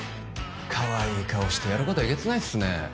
かわいい顔してやることえげつないっすね